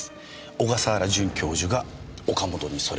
小笠原准教授が岡本にそれをさせた！